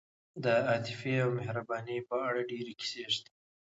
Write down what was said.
د عاطفې او مهربانۍ په اړه ډېرې کیسې شته.